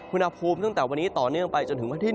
อุณหภูมิตั้งแต่วันนี้ต่อเนื่องไปจนถึงวันที่๑